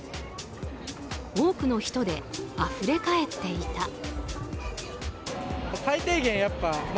多くの人であふれかえっていた。